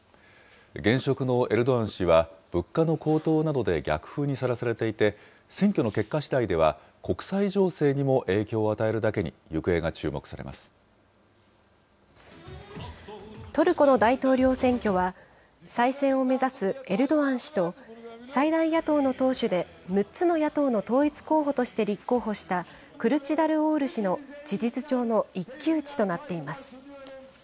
現職のエルドアン氏は、物価の高騰などで逆風にさらされていて、選挙の結果次第では、国際情勢にも影響を与えるだけに、行方が注トルコの大統領選挙は、再選を目指すエルドアン氏と、最大野党の党首で６つの野党の統一候補として立候補したクルチダルオール氏の事実上の一騎打ちとなっています。